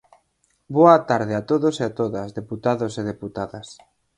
Boa tarde a todos e a todas, deputados e deputadas.